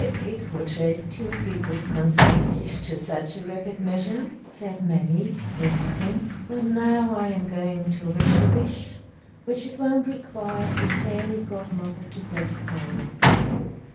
"It would take two people's consent to such a rapid measure," said Maggie, laughing. "But now I am going to wish a wish, which it won't require a fairy godmother to gratify.